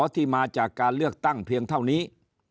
ที่มาจากการเลือกตั้งเพียงเท่านี้